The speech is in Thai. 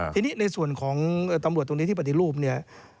ทีนี้ในส่วนของตำรวจตรงนี้ที่ปฏิรูปเนี่ย